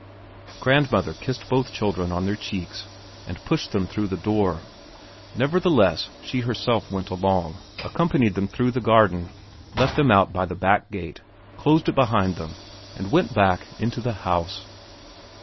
Grandmother kissed both children on their cheeks and pushed them through the door. Nevertheless she herself went along, accompanied them through the garden, let them out by the back gate, closed it behind them, and went back into the house.